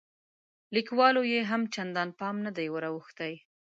لیکوالو یې هم چندان پام نه دی وراوښتی.